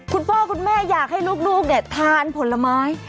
คุณพ่อคุณแม่อยากให้ลูกทานผลไม้